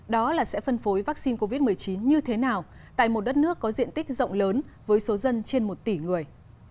đó là sẽ phân phối vaccine covid một mươi chín như thế nào tại một đất nước có diện tích rộng lớn với số dân trên một tỷ người